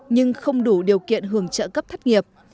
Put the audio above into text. nhưng không đủ điều kiện hưởng trợ cấp thất nghiệp